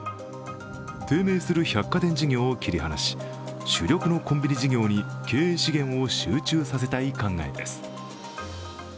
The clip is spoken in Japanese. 低迷する百貨店事業を切り離し、主力のコンビニ事業に経営資源を集中させたい考です。